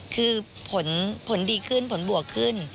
คือผลดีขึ้นผลบวกขึ้น